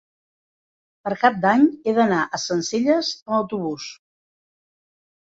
Per Cap d'Any he d'anar a Sencelles amb autobús.